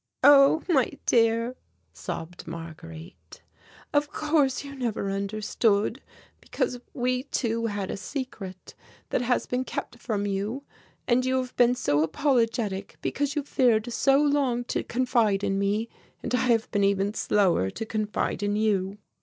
"Oh, my dear," sobbed Marguerite. "Of course you never understood, because we too had a secret that has been kept from you, and you have been so apologetic because you feared so long to confide in me and I have been even slower to confide in you."